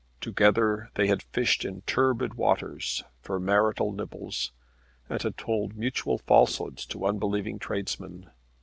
Together they had fished in turbid waters for marital nibbles and had told mutual falsehoods to unbelieving tradesmen.